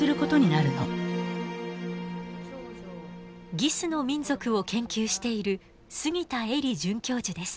ギスの民族を研究している杉田映理准教授です。